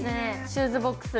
シューズボックス。